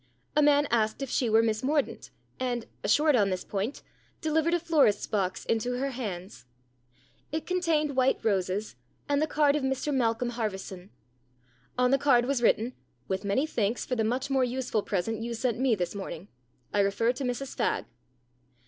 A man asked if she were Miss Mordaunt, and assured on this point delivered a florist's box into her hands. It contained white roses and the card of Mr Malcolm Harverson. On the card was written :" With many thanks for the much more useful present you sent me this morning I refer to Mrs Fagg."